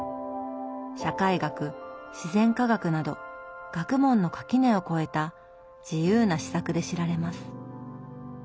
社会学自然科学など学問の垣根を超えた自由な思索で知られます。